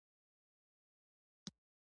هلته چې پیسې مخکې روانې وي ټولې دروازې خلاصیږي.